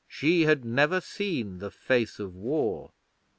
She had never seen the face of war!